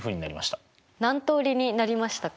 何通りになりましたか？